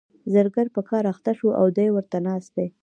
زرګر په کار اخته شو او دی ورته ناست دی.